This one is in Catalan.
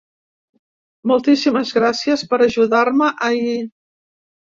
Moltíssimes gràcies per ajudar-me ahir.